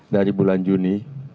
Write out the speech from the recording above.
dari bulan juni